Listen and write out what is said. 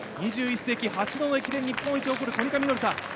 ２１世紀、８度の日本一を誇るコニカミノルタ。